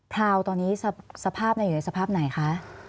พราวตอนนี้สภาพอยู่ในสภาพไหนคะ